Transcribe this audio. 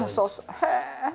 へえ。